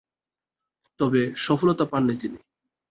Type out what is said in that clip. তবে, সফলতা পাননি তিনি।